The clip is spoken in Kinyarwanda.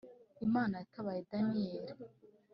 Imana yatabaye Daniyeli